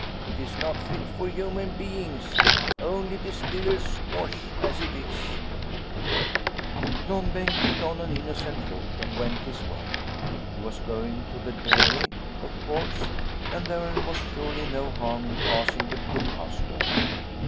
It is not fit for human beings, only distiller's wash as it is/ " Long Bengt put on an innocent look and went his way. He was going to the dairy, of course, and there was surely no harm in passing the brewhouse door.